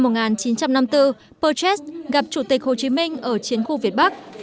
năm một nghìn chín trăm năm mươi bốn perchest gặp chủ tịch hồ chí minh ở chiến khu việt bắc